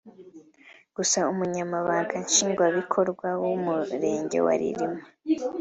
Gusa Umunyamabanga Nshingwabikorwa w’Umurenge wa Rilima